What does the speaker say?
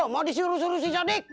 mau disuruh suruh si jadik